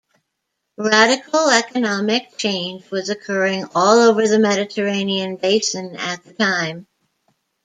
Radical economic change was occurring all over the Mediterranean Basin at the time.